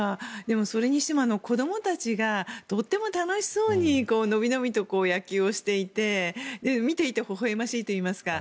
それにしても子供たちがとても楽しそうにのびのびと野球をしていて、見ていてほほ笑ましいといいますか。